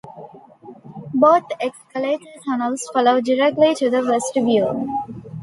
Both escalator tunnels follow directly to the vestibule.